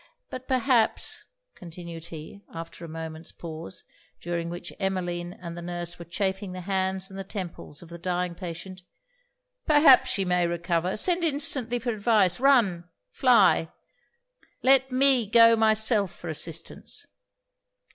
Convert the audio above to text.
But perhaps,' continued he, after a moment's pause, during which Emmeline and the nurse were chafing the hands and temples of the dying patient 'perhaps she may recover. Send instantly for advice run fly let me go myself for assistance.'